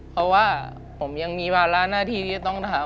เพราะว่าผมยังมีวาระหน้าที่ที่จะต้องถาม